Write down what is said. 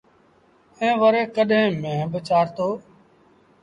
ائيٚݩ وري ڪڏهيݩ ميݩهݩ با چآرتو۔